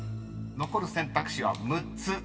［残る選択肢は６つ］